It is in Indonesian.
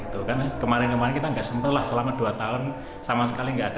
karena kemarin kemarin kita nggak sempat lah selama dua tahun sama sekali nggak ada